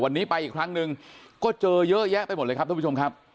วันนี้ไปอีกครั้งหนึ่งก็เจอเยอะแยะไปหมดเลยครับท่านผู้ชมครับ